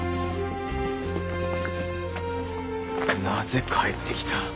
なぜ帰ってきた？